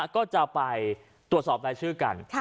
ก็จะไปตรวจสอบในชื่อกรรม